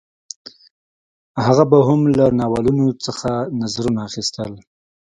هغه به هم له ناولونو څخه نظرونه اخیستل